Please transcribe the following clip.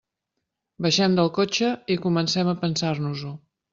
Baixem del cotxe i comencem a pensar-nos-ho.